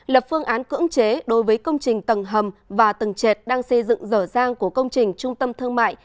lập phương án cưỡng chế đối với công trình tầng hầm và tầng chệt đang xây dựng rở rang của công trình trung tâm thương mại